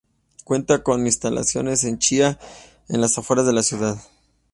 Cuenta con instalación en Chía, en las afueras de la ciudad.